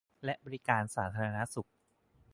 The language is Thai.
และบริการสาธารณสุข